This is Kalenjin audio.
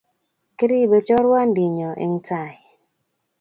Kiripe choruandit nyoo eng taii